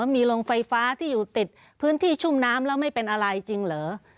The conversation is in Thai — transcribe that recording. มีโรงไฟฟ้าที่อยู่ติดพื้นที่ชุ่มน้ำแล้วไม่เป็นอะไรจริงเหรอ